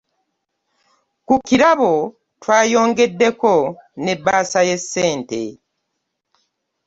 Ku birabo twayongeddeko ne bbaasa ye ssente.